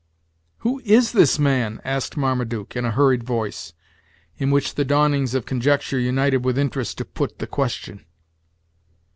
"Who is this man?" asked Marmaduke, in a hurried voice, in which the dawnings of conjecture united with interest to put the question.